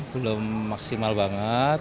belum maksimal banget